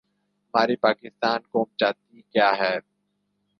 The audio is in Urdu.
ہماری پاکستانی قوم چاہتی کیا ہے؟